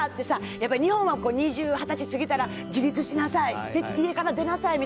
やっぱり日本は２０歳過ぎたら、自立しなさい、家から出なさいみ